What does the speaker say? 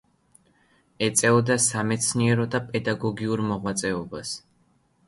ეწეოდა სამეცნიერო და პედაგოგიურ მოღვაწეობას.